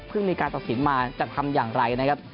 มีการตัดสินมาจะทำอย่างไรนะครับ